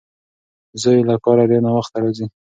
زوی یې له کاره ډېر ناوخته راځي.